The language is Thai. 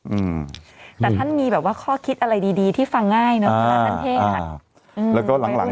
อืมแต่ท่านมีแบบว่าข้อคิดอะไรดีดีที่ฟังง่ายเนอะอ่าแล้วก็หลังหลัง